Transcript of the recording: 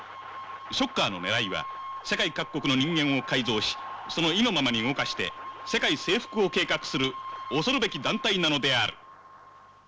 ショッカーのねらいは世界各国の人間を改造しその意のままに動かして世界征服を計画する恐るべき団体なのである。